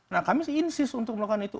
nah kami sih incis untuk melakukan itu